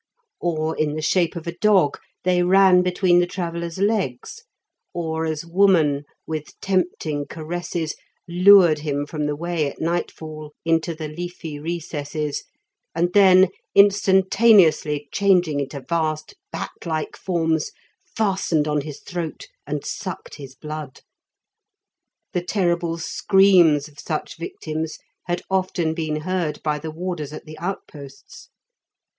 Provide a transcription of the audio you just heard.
Or, in the shape of a dog, they ran between the traveller's legs; or as woman, with tempting caresses, lured him from the way at nightfall into the leafy recesses, and then instantaneously changing into vast bat like forms, fastened on his throat and sucked his blood. The terrible screams of such victims had often been heard by the warders at the outposts.